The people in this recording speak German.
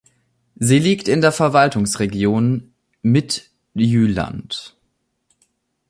Sie liegt in der Verwaltungsregion Midtjylland.